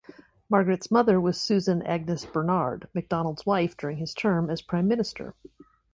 Margaret's mother was Susan Agnes Bernard, Macdonald's wife during his term as Prime Minister.